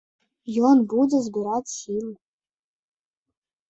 Ён будзе збіраць сілы.